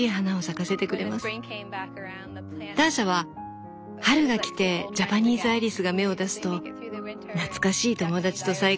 ターシャは「春が来てジャパニーズアイリスが芽を出すと懐かしい友達と再会したようでうれしい」